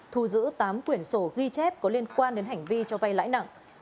thu giữ tám quyển sổ ghi chép có liên quan đến hành vi cho vay lãi nặng